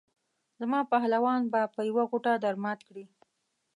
زما پهلوانان به په یوه غوټه درمات کړي.